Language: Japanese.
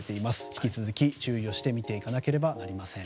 引き続き注意をして見ていかなければいけません。